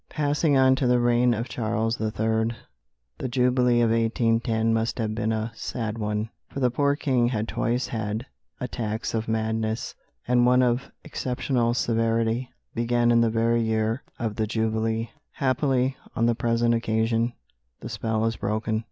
Passing on to the reign of George III., the jubilee of 1810 must have been a sad one, for the poor king had twice had attacks of madness, and one of exceptional severity began in the very year of the jubilee. Happily, on the present occasion the spell is broken.